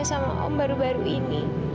sama om baru baru ini